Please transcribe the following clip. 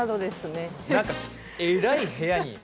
何かえらい部屋に。